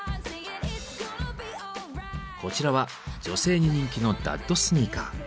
こちらは女性に人気の「ダッドスニーカー」。